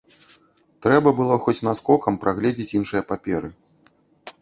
Трэба было хоць наскокам прагледзець іншыя паперы.